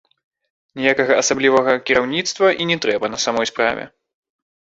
Ніякага асаблівага кіраўніцтва і не трэба, на самой справе.